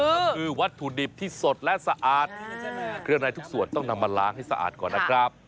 ก็คือวัตถุดิบที่สดและสะอาดเครื่องในทุกส่วนต้องนำมาล้างให้สะอาดก่อนนะครับ